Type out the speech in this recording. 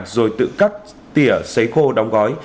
rồi tự cắt tỉa xấy khô đóng gói